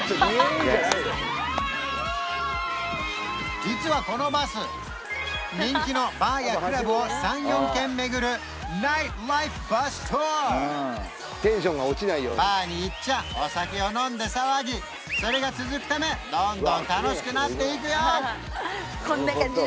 実はこのバス人気のバーやクラブを３４軒巡るナイトライフバスツアーバーに行っちゃお酒を飲んで騒ぎそれが続くためどんどん楽しくなっていくよ